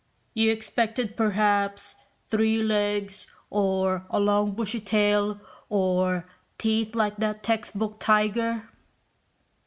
"You expected perhaps three legs or a long bushy tail or teeth like that textbook tiger?"